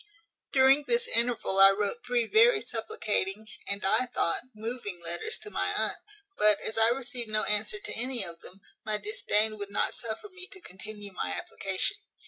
"During this interval I wrote three very supplicating, and, I thought, moving letters to my aunt; but, as I received no answer to any of them, my disdain would not suffer me to continue my application."